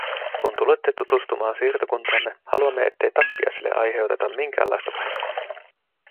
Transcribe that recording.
Kun tulette tutustumaan siirtokuntaamme, haluamme, ettei tappiaisille aiheuteta minkäänlaista vahinkoa.